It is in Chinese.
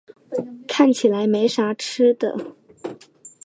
看起来没啥吃的